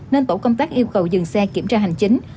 nên tổ công tác yêu cầu dừng xe kiểm tra hành chính